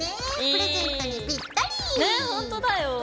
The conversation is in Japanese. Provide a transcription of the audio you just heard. プレゼントにぴったり。ね！